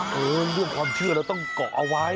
เออเรื่องความเชื่อเราต้องเกาะเอาไว้